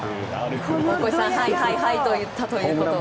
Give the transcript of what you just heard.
大越さんがはい、はいと言ったということは。